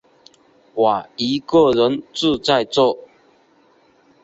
我一个人住在这